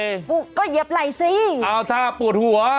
กูก็เหยียบไหล่สิอ้าวถ้าปวดหัว